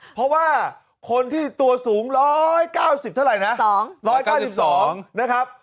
เพราะว่าคนที่ตัวสูง๑๙๒นะครับ